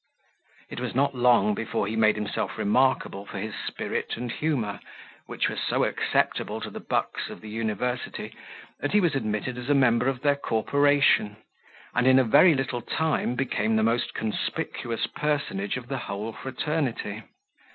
It was not long before he made himself remarkable for his spirit and humour, which were so acceptable to the bucks of the university, that he was admitted as a member of their corporation, and in a very little time became the most conspicuous personage of the whole fraternity.